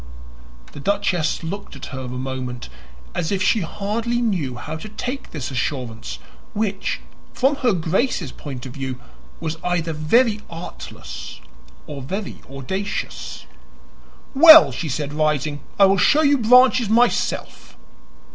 The duchess looked at her a moment, as if she hardly knew how to take this assurance, which, from her Grace's point of view, was either very artless or very audacious. "Well," she said, rising, "I will show you Branches myself."